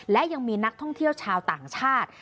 และยังมีนักท่องเที่ยวชาวต่างชาติ